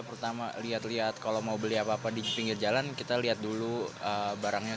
pertama lihat lihat kalau mau beli apa apa di pinggir jalan kita lihat dulu barangnya